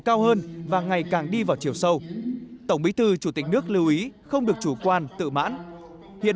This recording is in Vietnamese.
cao hơn và ngày càng đi vào chiều sâu tổng bí thư chủ tịch nước lưu ý không được chủ quan tự mãn hiện